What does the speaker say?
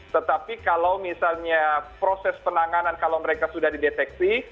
tetapi kalau misalnya proses penanganan kalau mereka sudah dideteksi